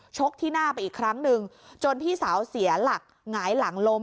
ชกที่หน้าไปอีกครั้งหนึ่งจนพี่สาวเสียหลักหงายหลังล้ม